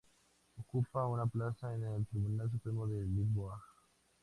Ocupó una plaza en en tribunal supremo de Lisboa.